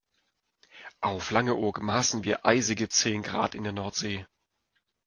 Auf Langeoog maßen wir eisige zehn Grad in der Nordsee.